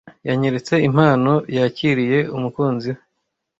Yanyeretse impano yakiriye umukunzi we.